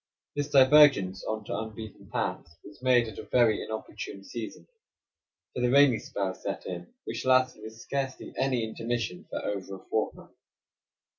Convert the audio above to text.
This divergence on to unbeaten paths was made at a very inopportune season; for the rainy spell set in, which lasted, with scarcely any intermission, for over a fortnight.